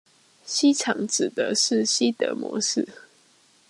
西廠指的是西德模式